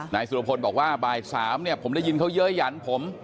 นายสุรพลบอกว่าบ่าย๓เนี่ยผมได้ยินเขาเยอะหยันผม